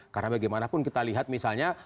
karena bagaimanapun kita lihat misalnya